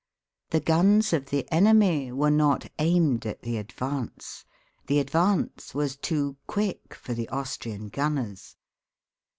The guns of the enemy were not aimed at the advance. The advance was too quick for the Austrian gunners.